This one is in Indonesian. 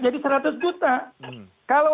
jadi seratus juta kalau